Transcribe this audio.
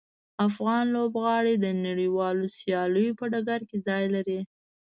افغان لوبغاړي د نړیوالو سیالیو په ډګر کې ځای لري.